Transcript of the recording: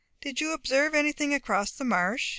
"Did you observe anything across the marsh?"